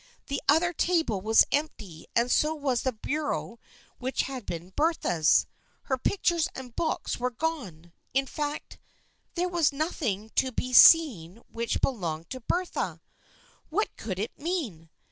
The other table was empty and so was the bureau which had been Bertha's. Her pictures and books were gone. In fact there was nothing to be seen which belonged to Bertha. What could it mean